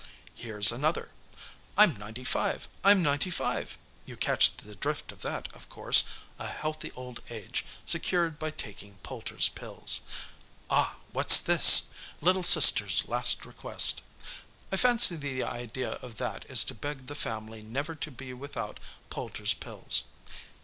Here's another: 'I'm ninety five! I'm ninety five!' You catch the drift of that, of course a healthy old age, secured by taking Poulter's Pills. Ah! what's this? 'Little sister's last request.' I fancy the idea of that is to beg the family never to be without Poulter's Pills.